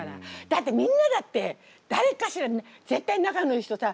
だってみんなだってだれかしら絶対仲のいい人さ